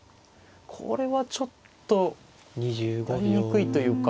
これはちょっとやりにくいというか。